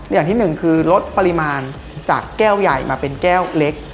อย่างที่หนึ่งคือลดปริมาณจากแก้วใหญ่มาเป็นแก้วเล็ก